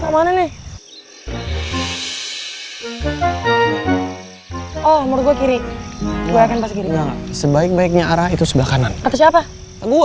oh menurut gue kiri sebaik baiknya arah itu sebelah kanan atau siapa gue